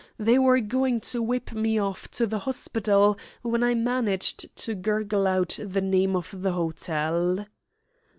They were going to whip me off to the hospital when I managed to gurgle out the name of the hotel."